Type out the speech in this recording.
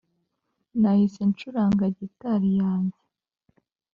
nahise ncuranga gitari yanjye